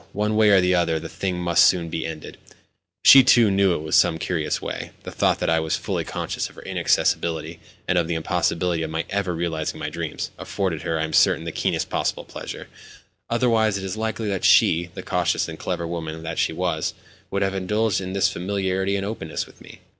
One way or the other, the thing must soon be ended. She, too, knew it in some curious way; the thought that I was fully conscious of her inaccessibility, and of the impossibility of my ever realising my dreams, afforded her, I am certain, the keenest possible pleasure. Otherwise, is it likely that she, the cautious and clever woman that she was, would have indulged in this familiarity and openness with me?